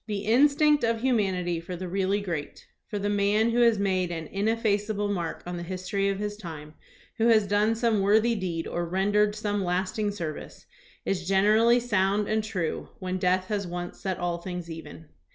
The instinct of humanity for the really great, for the man who has made an in effaceable mark on the history of his time, who has done some worthy deed or rendered some lasting serv ice, is generally sound and true when death has once set all things even.